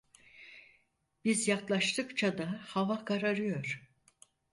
Biz yaklaştıkça da hava kararıyor…